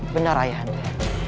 benar ayah anda